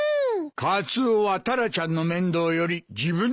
カツオはタラちゃんの面倒より自分の面倒を見なさい。